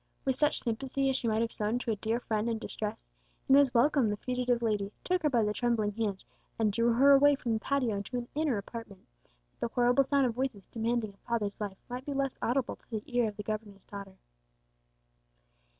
With such sympathy as she might have shown to a dear friend in distress, Inez welcomed the fugitive lady, took her by the trembling hand, and drew her away from the patio into an inner apartment, that the horrible sound of voices demanding a father's life might be less audible to the ear of the governor's daughter.